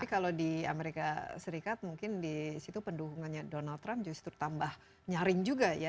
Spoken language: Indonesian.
tapi kalau di amerika serikat mungkin di situ pendukungannya donald trump justru tambah nyaring juga ya